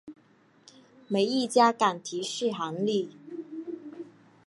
没一家敢提续航力